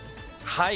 はい。